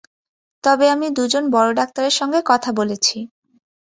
তবে আমি দু জন বড় ডাক্তারের সঙ্গে কথা বলেছি।